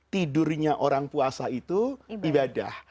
tidurnya orang puasa itu ibadah